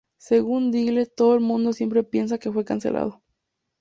Según Diggle, ""Todo el mundo siempre piensa que fue cancelado.